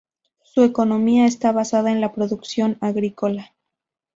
Su economía está basada en la producción agrícola.